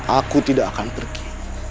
aku tidak akan pergi